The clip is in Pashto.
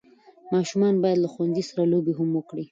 ماشومان باید له ښوونځي سره لوبي هم وکړي.